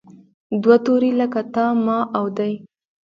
دوه توري لکه تا، ما او دی.